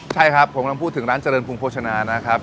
ใช่ครับผมกำลังพูดถึงร้านเจริญกรุงโภชนานะครับ